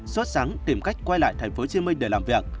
suốt sáng tìm cách quay lại thành phố hồ chí minh để làm việc